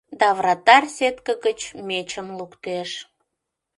Да вратарь сетке гыч мечым луктеш...»